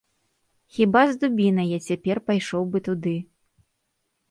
Хіба з дубінай я цяпер пайшоў бы туды.